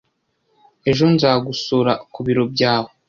Ejo nzagusura ku biro byawe.